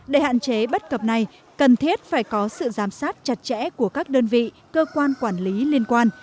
để hạn chế bất cập này cần thiết phải có sự giám sát chặt chẽ của các đơn vị cơ quan quản lý liên quan